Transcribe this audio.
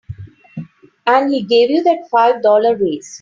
And he gave you that five dollar raise.